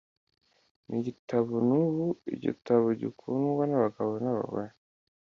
Nigitabo nubu igitabo gikundwa nabagabo nabagore